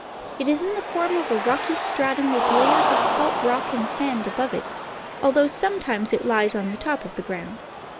It is in the form of a rocky stratum with layers of salt rock and sand above it, although sometimes it lies on the top of the ground.